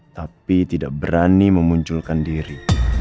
tapi tidak berani memunculkan diri